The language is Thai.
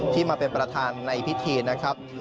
มาเป็นประธานในพิธีนะครับ